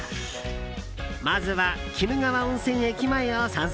まずは、鬼怒川温泉駅前を散策。